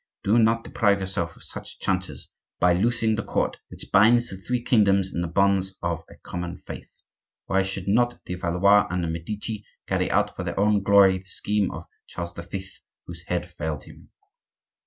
Do not deprive yourself of such chances by loosing the cord which binds the three kingdoms in the bonds of a common faith. Why should not the Valois and the Medici carry out for their own glory the scheme of Charles the Fifth, whose head failed him?